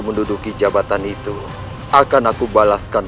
menduduki jabatan itu akan aku balaskan